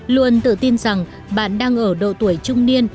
luôn tự tin rằng bạn đang ở độ tuổi trung niên